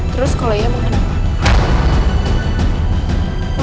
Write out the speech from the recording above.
terus kalau iya mengenang